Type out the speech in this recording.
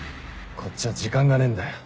こっちは時間がねえんだよ。